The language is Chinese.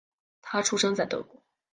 他出生在德国。